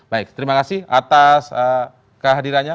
baik terima kasih atas kehadirannya